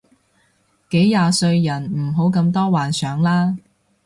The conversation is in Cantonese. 幾廿歲人唔好咁多幻想啦